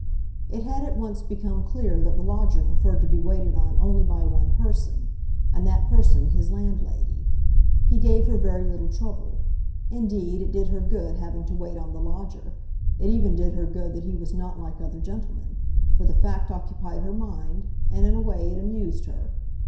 It had at once become clear that the lodger preferred to be waited on only by one person, and that person his landlady. He gave her very little trouble. Indeed, it did her good having to wait on the lodger; it even did her good that he was not like other gentlemen; for the fact occupied her mind, and in a way it amused her.